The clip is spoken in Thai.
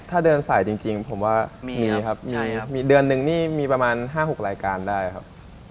ถ้าเดินสายจริงผมว่ามีครับมีครับมีเดือนหนึ่งนี่มีประมาณ๕๖รายการได้ครับ